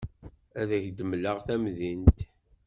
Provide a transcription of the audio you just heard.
Ad ak-d-mleɣ tamdint.